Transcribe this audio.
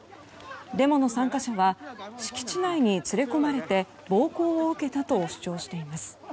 デモの参加者は敷地内に連れ込まれて暴行を受けたと主張しています。